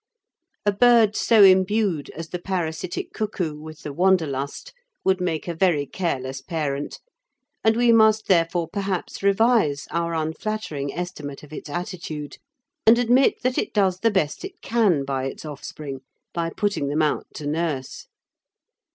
A bird so imbued as the parasitic cuckoo with the Wanderlust would make a very careless parent, and we must therefore perhaps revise our unflattering estimate of its attitude and admit that it does the best it can by its offspring in putting them out to nurse.